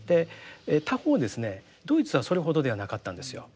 他方ですねドイツはそれほどではなかったんですよ。